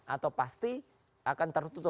atau pasti akan tertutup